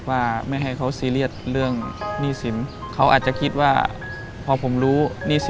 มาเอาใจช่วยโอพยาบาลสาวที่พร้อมจะชดใช้หนี้สินในอดีต